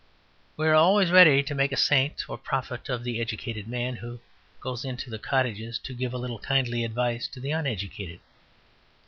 We are always ready to make a saint or prophet of the educated man who goes into cottages to give a little kindly advice to the uneducated.